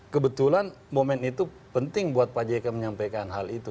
kebetulan momen itu penting buat pak jk menyampaikan hal itu